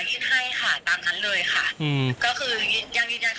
ที่โพสต์ก็คือเพื่อต้องการจะเตือนเพื่อนผู้หญิงในเฟซบุ๊คเท่านั้นค่ะ